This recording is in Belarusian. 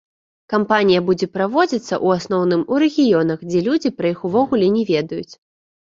Кампанія будзе праводзіцца, у асноўным, у рэгіёнах, дзе людзі пра іх увогуле не ведаюць.